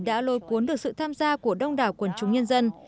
đã lôi cuốn được sự tham gia của đông đảo quần chúng nhân dân